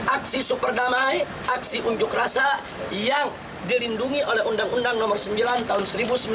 aksi super damai aksi unjuk rasa yang dilindungi oleh undang undang nomor sembilan tahun seribu sembilan ratus sembilan puluh